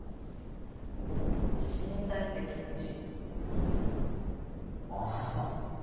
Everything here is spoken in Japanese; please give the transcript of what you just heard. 死にたいって気持ちああ